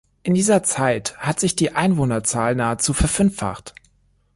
In dieser Zeit hat sich die Einwohnerzahl nahezu verfünffacht.